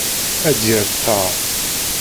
Ad d-yer ttar.